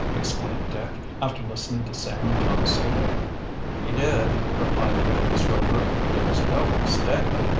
exclaimed Dick, after listening to Sam and Tom's story. "We did," replied the youngest Rover. "There was no mistake?"